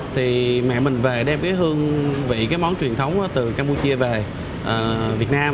thì mẹ mình về đem cái hương vị cái món truyền thống từ campuchia về việt nam